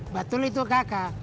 betul itu kakak